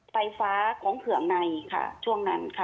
ไฟฟ้าของเผืองในค่ะช่วงนั้นค่ะ